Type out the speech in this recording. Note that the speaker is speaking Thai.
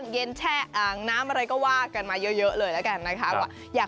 โดยเฉพาะเสือโครงและเสือชีตา